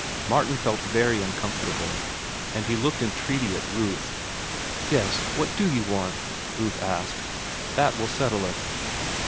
Martin felt very uncomfortable, and looked entreaty at Ruth. "Yes, what do you want?" Ruth asked. "That will settle it."